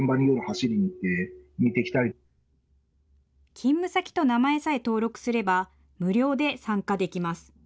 勤務先と名前さえ登録すれば、無料で参加できます。